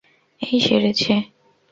এই, সেরেছে!